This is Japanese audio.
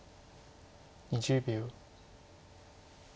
２０秒。